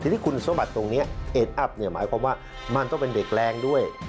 ทีนี้คุณสมบัติตรงนี้เอ็ดอัพหมายความว่ามันต้องเป็นเด็กแรงด้วย